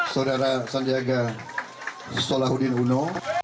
saudara sandiaga solahuddin uno